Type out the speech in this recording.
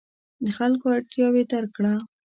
د خلکو اړتیاوې درک کړه.